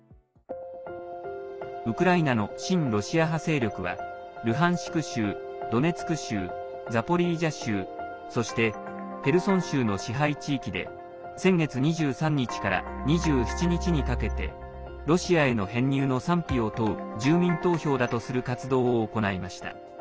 ウクライナの親ロシア派勢力はルハンシク州、ドネツク州ザポリージャ州そしてヘルソン州の支配地域で先月２３日から２７日にかけてロシアへの編入の賛否を問う住民投票だとする活動を行いました。